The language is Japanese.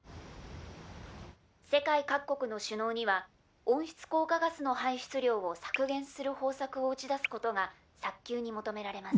「世界各国の首脳には温室効果ガスの排出量を削減する方策を打ち出すことが早急に求められます」。